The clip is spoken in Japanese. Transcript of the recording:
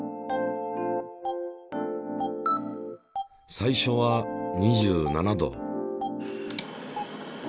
最初は２７℃。